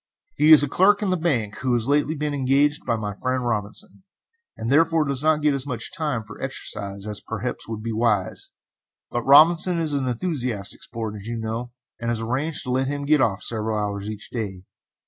He is a clerk in a bank, who has lately been engaged by my friend Robinson, and therefore does not get as much time for exercise as perhaps would be wise, but Robinson is an enthusiastic sport, as you know, and has arranged to let him get off several hours each day.